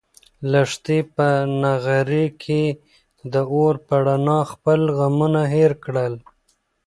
لښتې په نغري کې د اور په رڼا خپل غمونه هېر کړل.